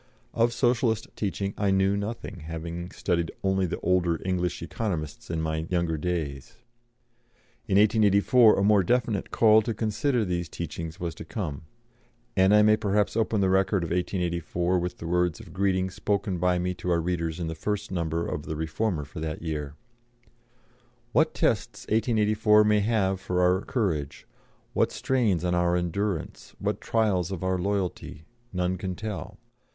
Of Socialist teaching I knew nothing, having studied only the older English Economists in my younger days. In 1884 a more definite call to consider 299 these teachings was to come, and I may perhaps open the record of 1884 with the words of greeting spoken by me to our readers in the first number of the Reformer for that year: "What tests 1884 may have for our courage, what strains on our endurance, what trials of our loyalty, none can tell.